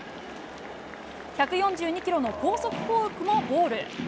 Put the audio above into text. １４２キロの高速フォークもボール。